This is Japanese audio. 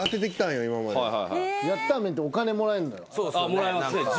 もらえますね。